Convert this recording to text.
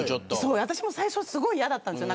私も最初はすごい嫌だったんです。